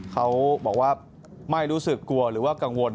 เขาบอกว่าไม่รู้สึกกลัวหรือว่ากังวล